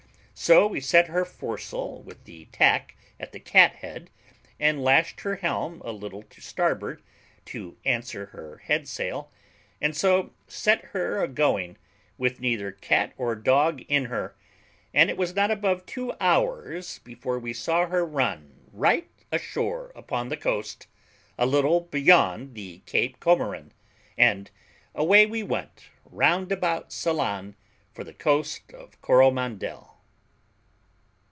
So we set her foresail with the tack at the cat head, and lashed her helm a little to starboard, to answer her head sail, and so set her agoing, with neither cat or dog in her; and it was not above two hours before we saw her run right ashore upon the coast, a little beyond the Cape Comorin; and away we went round about Ceylon, for the coast of Coromandel.